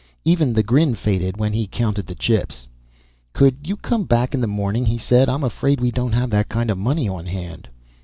Even the grin faded when he counted the chips. "Could you come back in the morning," he said, "I'm afraid we don't have that kind of money on hand."